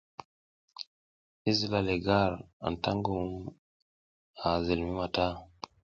I zila le gar, anta a ngum a zilmi ta.